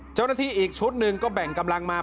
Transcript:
เจ้าหน้าที่อีกชุดหนึ่งก็แบ่งกำลังมา